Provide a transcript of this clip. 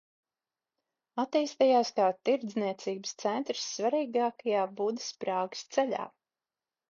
Attīstījās kā tirdzniecības centrs svarīgajā Budas–Prāgas ceļā.